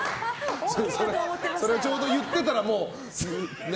ちょうど言ってたらね。